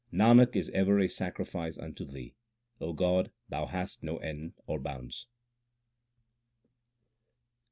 Nanak is ever a sacrifice unto Thee ; O God, Thou hast no end or bounds.